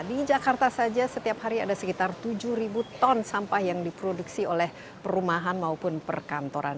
di jakarta saja setiap hari ada sekitar tujuh ton sampah yang diproduksi oleh perumahan maupun perkantoran